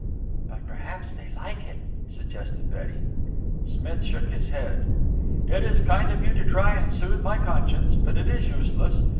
"But perhaps they like it," suggested Betty. Smith shook his head. "It is kind of you to try and soothe my conscience, but it is useless.